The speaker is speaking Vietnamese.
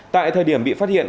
tại thời điểm bị phát hiện